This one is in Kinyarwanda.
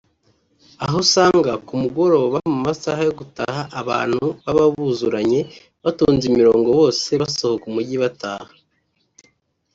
aho usanga ku mugoroba mu masaha yo gutaha abantu baba buzuranye batonze imirongo bose basohoka umujyi bataha